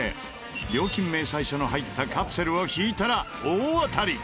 料金明細書の入ったカプセルを引いたら大当たり！